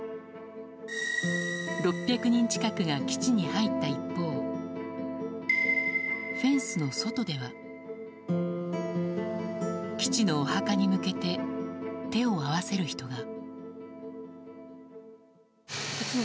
６００人近くが基地に入った一方フェンスの外では基地のお墓に向けて手を合わせる人が。